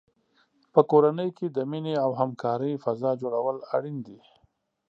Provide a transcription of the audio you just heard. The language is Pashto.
په کورنۍ کې د مینې او همکارۍ فضا جوړول اړین دي.